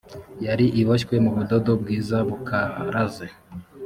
yari iboshywe mu budodo bwiza bukaraze